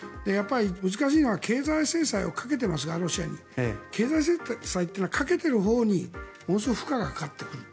難しいのは経済制裁をロシアにかけていますが経済制裁というのはかけてるほうにものすごく負荷がかかってくる。